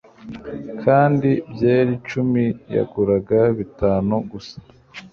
Kandi byeri cumi yaguraga bitanu gusa